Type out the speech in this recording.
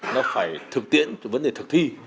nó phải thực tiễn vấn đề thực thi